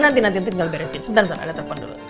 nanti nanti nanti tinggal beresin sebentar ada telepon dulu